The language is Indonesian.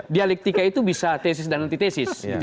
dialektika itu bisa tesis dan antitesis